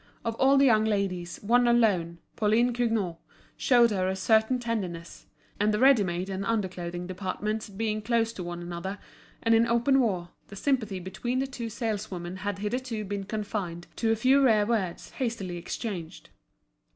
Of all the young ladies, one alone, Pauline Cugnot, showed her a certain tenderness; and the ready made and under clothing departments being close to one another, and in open war, the sympathy between the two saleswomen had hitherto been confined to a few rare words hastily exchanged.